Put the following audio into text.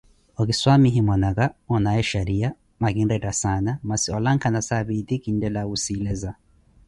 Okiswamihe mwana aka, onaawe xariya, akinretta saana, masi olankha nasaapi eti kinttela wusileza.